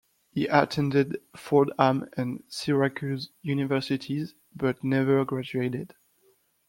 He attended Fordham and Syracuse Universities but never graduated.